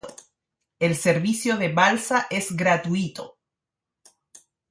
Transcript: El servicio de balsa es gratuito.